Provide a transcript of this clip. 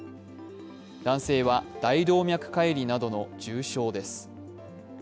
男性は大動脈解離などの重傷です。